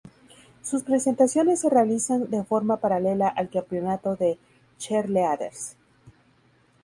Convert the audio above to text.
Sus presentaciones se realizan de forma paralela al campeonato de cheerleaders.